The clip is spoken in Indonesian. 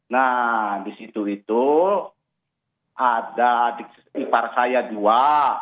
nah di situ itu ada adik ipar saya dua